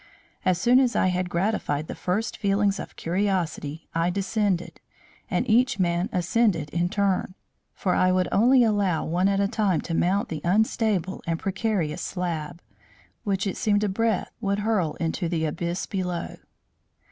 As soon as I had gratified the first feelings of curiosity I descended, and each man ascended in turn, for I would only allow one at a time to mount the unstable and precarious slab, which it seemed a breath would hurl into the abyss below.